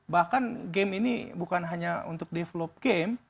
bahkan game ini bukan hanya untuk develop game